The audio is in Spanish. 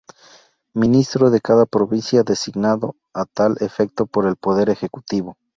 Ministro de cada provincia designado a tal efecto por el Poder Ejecutivo"".